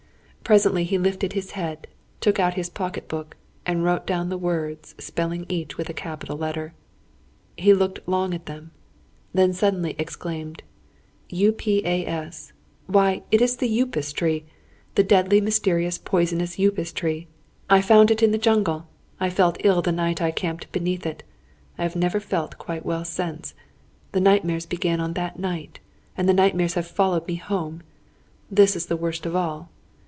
Presently he lifted his head, took out his pocket book, and wrote down the words, spelling each with a capital letter. He looked long at them; then suddenly exclaimed: "U, P, A, S! Why, it is the Upas tree; the deadly, mysterious, poisonous Upas tree! I found it in the jungle. I felt ill the night I camped beneath it. I have never felt quite well since. The nightmares began on that night; and the nightmares have followed me home. This is the worst of all.